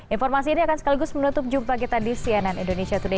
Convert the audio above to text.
informasi ini akan sekaligus menutup jumpa kita di cnn indonesia today